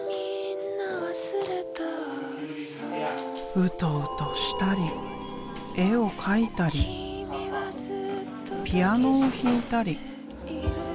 ウトウトしたり絵を描いたりピアノを弾いたり。